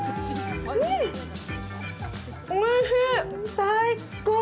最高！